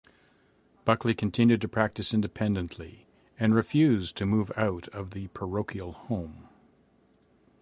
Buckley continued to practice independently and refused to move out of the parochial home.